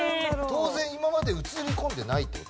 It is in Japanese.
当然今まで映り込んでないって事？